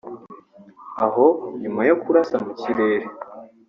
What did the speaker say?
aho nyuma yo kurasa mu kirere